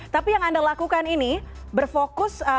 tapi yang anda lakukan ini sebetulnya fokusnya untuk orang tertentu